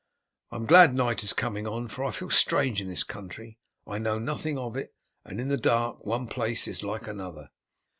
I am glad night is coming on, for I feel strange in this country I know nothing of, and in the dark one place is like another."